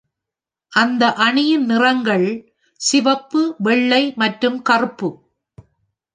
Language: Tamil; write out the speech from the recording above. அந்த அணியின் நிறங்கள் சிவப்பு, வெள்ளை மற்றும் கறுப்பு.